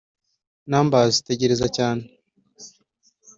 numberstegereza cyane